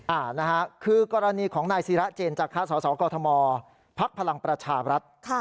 อ่าคือกรณีของนายศีระเจนจากค่าสาวกอทมภักดิ์พลังประชาบรัฐ